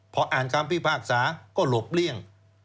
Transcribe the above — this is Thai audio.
พออ่านคำพิพากษาก็หลบเลี่ยง